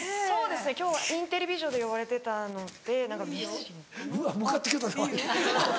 そうですね今日はインテリ美女で呼ばれてたので美人かな。